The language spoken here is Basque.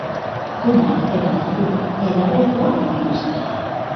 Kumeak eta txakur edadetuak dituzte.